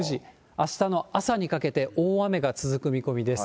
あしたの朝にかけて大雨が続く見込みです。